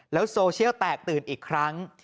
แล้วโซเชียลแตกตื่นอีกครั้ง